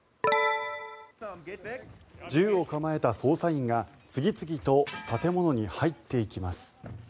銃を構えた捜査員が次々と建物に入っていきます。